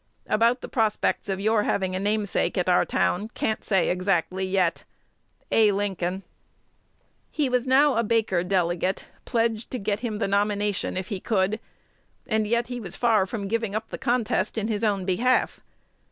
About the prospects of your having a namesake at our town, can't say exactly yet. A. Lincoln. He was now a Baker delegate, pledged to get him the nomination if he could; and yet he was far from giving up the contest in his own behalf.